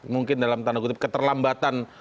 mungkin dalam tanda kutip keterlambatan